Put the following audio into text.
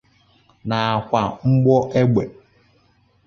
nakwa mgbọ egbe